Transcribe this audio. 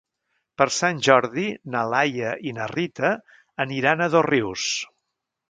Per Sant Jordi na Laia i na Rita aniran a Dosrius.